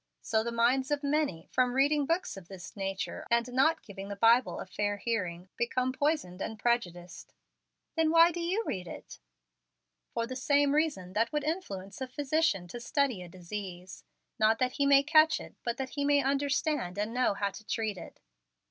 So the minds of many, from reading books of this nature, and not giving the Bible a fair hearing, become poisoned and prejudiced." "Then why do you read it?" "For the same reason that would influence a physician to study a disease, not that he may catch it, but that he may understand and know how to treat it.